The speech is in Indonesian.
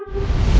kaget saya jahat